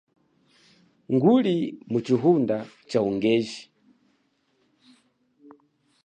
Nguli muchihunda cha ungeji.